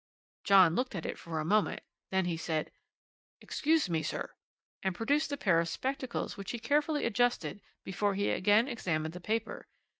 "John looked at it for a moment; then he said: 'Excuse me, sir,' and produced a pair of spectacles which he carefully adjusted before he again examined the paper.